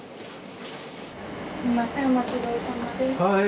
はい。